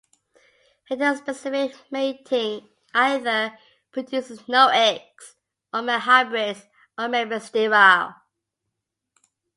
Heterospecific mating either produces no eggs or male hybrids that may be sterile.